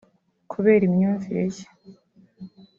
kubera imyumvire ye